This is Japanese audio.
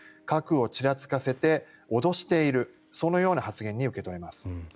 核をちらつかせて脅しているそのような発言に受け取れます。